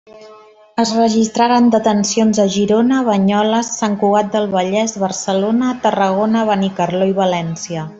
Es registraren detencions a Girona, Banyoles, Sant Cugat del Vallès, Barcelona, Tarragona, Benicarló i València.